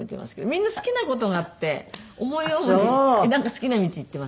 みんな好きな事があって思い思い好きな道行っていますね。